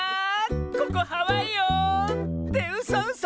ここハワイよ！ってうそうそ！